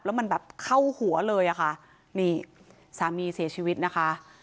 แล้วมันแบบเข้าหัวเลยอะค่ะนี่สามีเสียชีวิตนะคะ